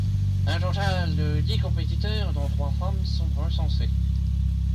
Un total de dix compétiteurs, dont trois femmes, sont recensés.